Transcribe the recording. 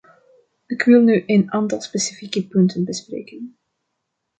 Ik wil nu een aantal specifieke punten bespreken.